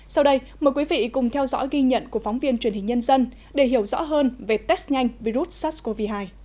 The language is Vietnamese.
sau đây mời quý vị cùng theo dõi ghi nhận của phóng viên truyền hình nhân dân để hiểu rõ hơn về test nhanh virus sars cov hai